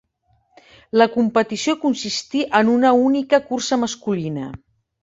La competició consistí en una única cursa masculina.